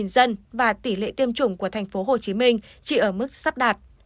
một trăm linh dân và tỷ lệ tiêm chủng của tp hcm chỉ ở mức sắp đạt